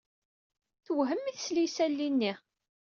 Tewhem mi tesla i yisali-nni.